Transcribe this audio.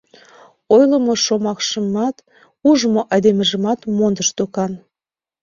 Ойлымо шомакшымат, ужмо айдемыжымат мондыш докан.